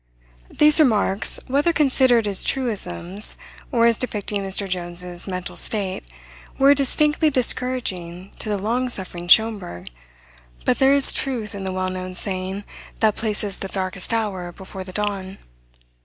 These remarks, whether considered as truisms or as depicting Mr. Jones's mental state, were distinctly discouraging to the long suffering Schomberg; but there is truth in the well known saying that places the darkest hour before the dawn.